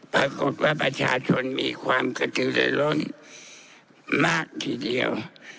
ปรากฏว่าประชาชนมีความกระตือและล้นมากทีเดียว